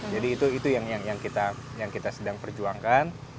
jadi itu yang kita sedang perjuangkan